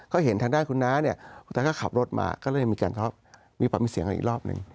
ก็เห็นทางด้านคุณน้าเนี่ยคุณน้าก็ขับรถมาก็เลยมีการมีเสียงกันอีกรอบหนึ่ง